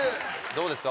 どうですか？